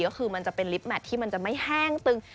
ก็คือมันจะเป็นลิฟต์แมทที่มันจะไม่แห้งตึง